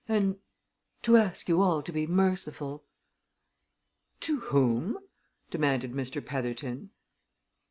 And to ask you all to be merciful." "To whom?" demanded Mr. Petherton.